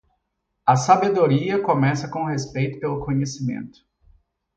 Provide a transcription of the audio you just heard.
A sabedoria começa com o respeito pelo conhecimento.